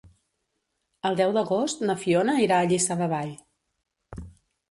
El deu d'agost na Fiona irà a Lliçà de Vall.